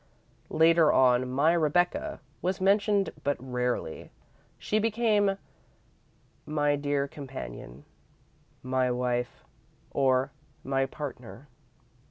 Later on, "my Rebecca" was mentioned but rarely. She became "my dear companion," "my wife," or "my partner."